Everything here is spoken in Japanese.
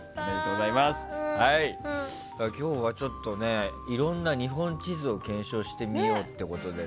今日はちょっといろいろな日本地図を検証してみようということで。